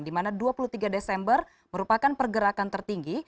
dimana dua puluh tiga desember merupakan pergerakan tertinggi